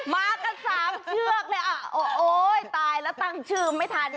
มากันสามเชือกเลยอ่ะโอ้ยตายแล้วตั้งชื่อไม่ทัน